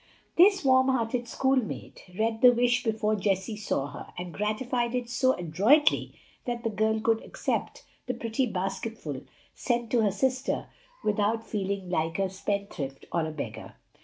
This warm hearted schoolmate read the wish before Jessie saw her, and gratified it so adroitly that the girl could accept the pretty basketful sent to her sister without feeling like a spendthrift or a beggar.